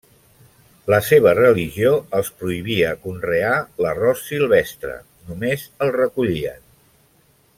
La seva religió els prohibia conrear l'arròs silvestre, només el recollien.